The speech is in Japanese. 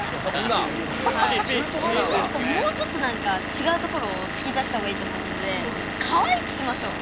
もうちょっと何かちがうところを突き出した方がいいと思うのでかわいくしましょう。